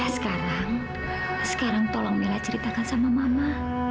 sekarang sekarang tolong mila ceritakan sama mama